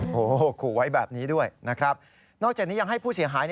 โอ้โหขู่ไว้แบบนี้ด้วยนะครับนอกจากนี้ยังให้ผู้เสียหาย